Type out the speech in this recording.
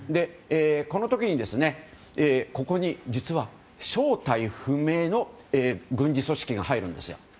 この時に、ここに実は正体不明の軍事組織が入るんですよ。